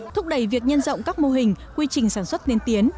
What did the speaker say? thúc đẩy việc nhân rộng các mô hình quy trình sản xuất tiên tiến